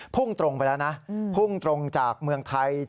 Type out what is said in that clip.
พุ่งตรงไปแล้วนะพุ่งตรงจากเมืองไทย